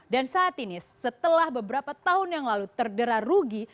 dan saat ini setelah beberapa tahun yang lalu terderah rugi